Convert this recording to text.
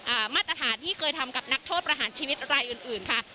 มาตรฐานที่เคยทำกับนักโทษประหารชีวิตรายอื่นอื่นค่ะ